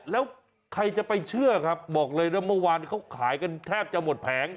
แล้วใครจะไปเชื่อครับบอกเลยนะเมื่อวานเขาขายกันแทบจะหมดแผง